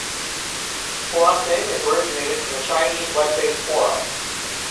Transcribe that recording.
Huasing is originated from a Chinese web-based forum.